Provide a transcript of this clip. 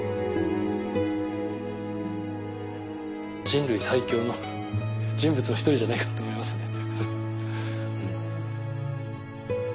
人類最強の人物の一人じゃないかと思いますね。